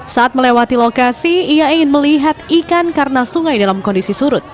saat melewati lokasi ia ingin melihat ikan karena sungai dalam kondisi surut